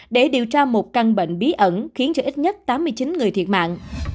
để điều tra một căn bệnh bí ẩn khiến cho ít nhất tám mươi chín người thiệt mạng